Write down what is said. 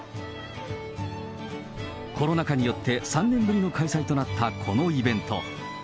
コロナ禍によって３年ぶりの開催となったこのイベント。